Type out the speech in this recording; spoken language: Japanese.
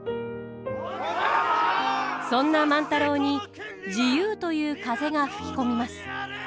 そんな万太郎に自由という風が吹き込みます。